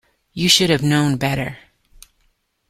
You should have known better.